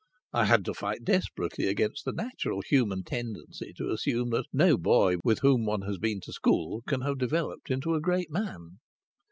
I had to fight desperately against the natural human tendency to assume that no boy with whom one has been to school can have developed into a great man.